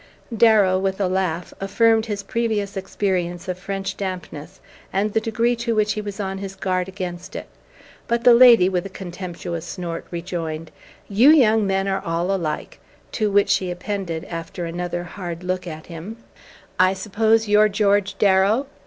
Darrow, with a laugh, affirmed his previous experience of French dampness, and the degree to which he was on his guard against it; but the lady, with a contemptuous snort, rejoined: "You young men are all alike "; to which she appended, after another hard look at him: "I suppose you're George Darrow?